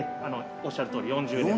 おっしゃるとおり４０年前。